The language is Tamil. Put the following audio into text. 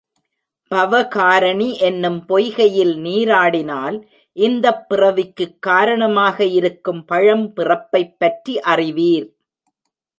பவகாரணி என்னும் பொய்கையில் நீராடினால் இந்தப் பிறவிக்குக் காரணமாக இருக்கும் பழம் பிறப்பைப் பற்றி அறிவீர்.